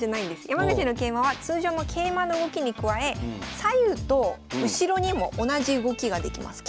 山口の桂馬は通常の桂馬の動きに加え左右と後ろにも同じ動きができます。